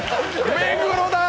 目黒だー！！